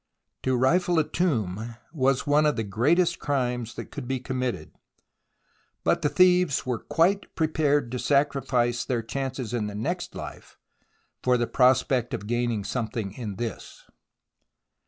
To rifle a tomb was one of the greatest crimes that could be committed, but the thieves were quite prepared to sacrifice their chances in the next life for the prospect of gaining something in this.